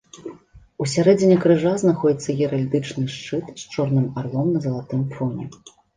У сярэдзіне крыжа знаходзіцца геральдычны шчыт з чорным арлом на залатым фоне.